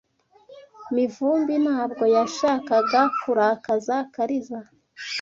Mivumbi ntabwo yashakaga kurakaza Kariza .